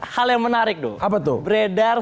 hal yang menarik tuh apa tuh beredar